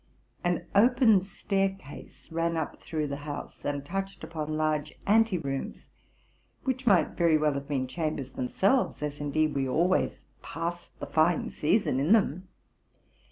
An open staircase ran up through the house, and touched upon large ante rooms, which might very well have been chambers themselve es, as, indeed, we always passed the fine season in them.